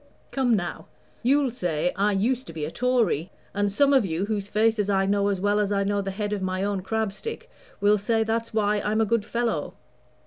"Come now, you'll say I used to be a Tory; and some of you, whose faces I know as well as I know the head of my own crab stick, will say that's why I'm a good fellow.